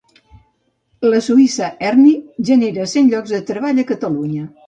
La suïssa Erni genera cent llocs de treball a Catalunya.